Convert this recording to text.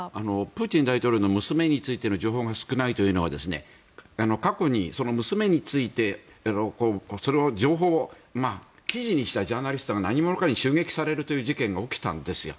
プーチン大統領の娘についての情報が少ないというのは過去に娘についてその情報を記事にしたジャーナリストが何者かに襲撃されるという事件が起きたんですよ。